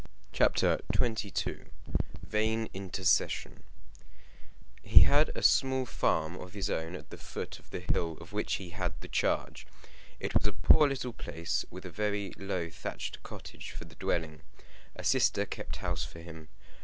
CHAPTER XXII Vain Intercession He had a small farm of his own at the foot of the hill of which he had the charge. It was a poor little place, with a very low thatched cottage for the dwelling. A sister kept house for him.